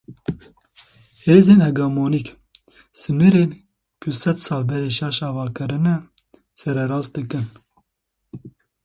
Hêzên hegemonîk sînorên ku sedsal berê şaş ava kirine sererast dikin.